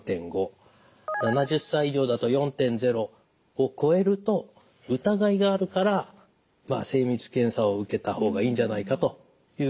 を超えると疑いがあるから精密検査を受けた方がいいんじゃないかということになります。